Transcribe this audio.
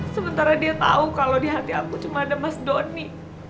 sementara dia tahu kalau di hati aku cuma ada mas doni